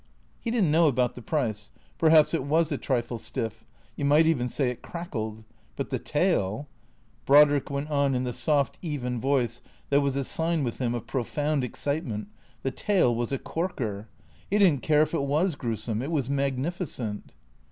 He did n't know about the price ; perhaps it was a trifle stiff ; you might even say it crackled ; but the tale ! Brodrick went on in the soft, even voice that was a sign with him of profound excitement — the tale was a corker. He did n't care if it was gruesome. It was magnificent.